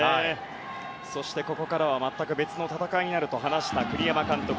ここからは全く別の戦いになると話した栗山監督。